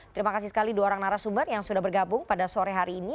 terima kasih sekali dua orang narasumber yang sudah bergabung pada sore hari ini